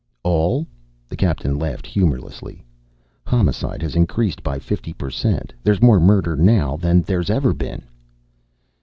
"All?" the captain laughed humorlessly. "Homicide has increased by fifty per cent. There's more murder now than there's ever been."